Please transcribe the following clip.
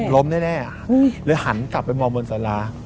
ล้มแน่เลยหันกลับไปมองบนสารา